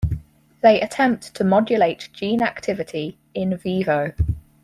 They attempt to modulate gene activity "in vivo".